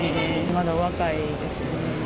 まだお若いですよね。